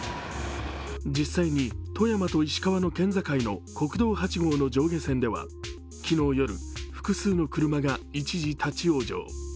実際に富山と石川の県境の国道８号の上下線では昨日夜、複数の車が一時、立往生。